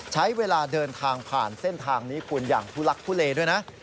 ใช้เวลาเดินทางผ่านเส้นทางนี้คุณอย่างทุลักทุเลด้วยนะ